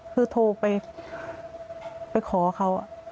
คือโทรไปขอเขา